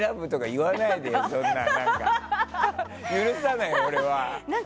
許さないよ、俺は。